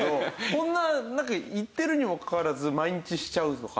こんななんか言ってるにもかかわらず毎日しちゃうとか。